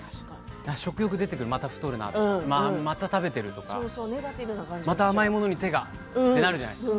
食欲出てくる、また太るなとまた食べてるとかまた甘いものに手がってなるじゃないですか。